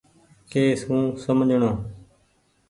ڪي سون سمجهڻو۔